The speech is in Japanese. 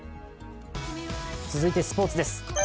続いてスポーツです。